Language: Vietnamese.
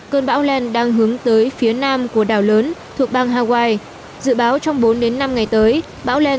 cơn bão lên đang hướng tới phía nam của đảo lớn thuộc bang hawaii dự báo trong bốn đến năm ngày tới